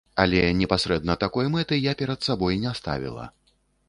Але непасрэдна такой мэты я перад сабой не ставіла.